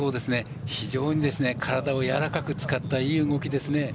非常に体をやわらかく使ったいい動きですね。